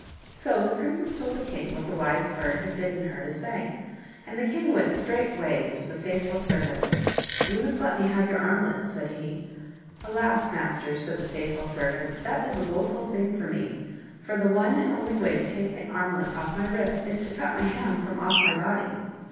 So the princess told the king what the Wise Bird had bidden her to say, and the king went straightway to the faithful servant. " You must let me have your armlet," said he. " Alas, master," said the faithful servant, " that is a woful thing for me, for the one and only way to take the armlet off of my wrist is to cut my hand from off my body."